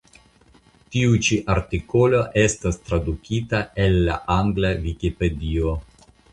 Tiu ĉi artikolo estas tradukita el la angla Vikipedio.